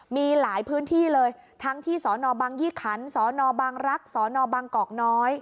มีหลายพื้นที่เลยทั้งที่สบยี่ขันสบรักสบกน